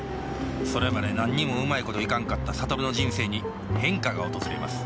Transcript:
それまで何にもうまいこといかんかった諭の人生に変化が訪れます